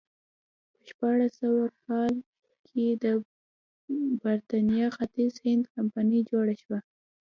په شپاړس سوه کال کې د برېټانیا ختیځ هند کمپنۍ جوړه شوه.